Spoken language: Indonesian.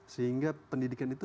sehingga pendidikan itu